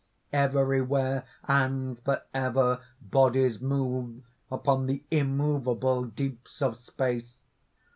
Everywhere and forever bodies move upon the immovable deeps of space!